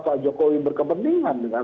pak jokowi berkepentingan dengan